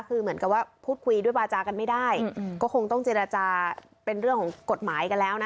คือเหมือนกับว่าพูดคุยด้วยวาจากันไม่ได้ก็คงต้องเจรจาเป็นเรื่องของกฎหมายกันแล้วนะ